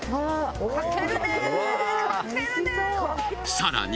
さらに！